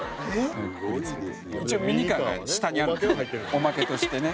一応ミニカーが下にあるおまけとしてね。